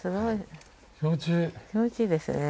気持ちいいですね。